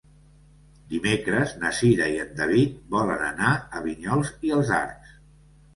Dimecres na Cira i en David volen anar a Vinyols i els Arcs.